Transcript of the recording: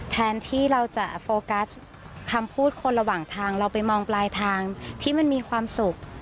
แทนที่เราจะโฟกัสคำพูดคนระหว่างทางเราไปมองปลายทางที่มันมีความสุข